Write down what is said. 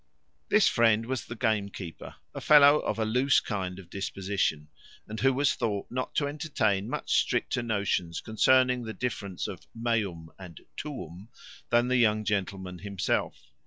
This friend was the gamekeeper, a fellow of a loose kind of disposition, and who was thought not to entertain much stricter notions concerning the difference of meum and tuum than the young gentleman himself.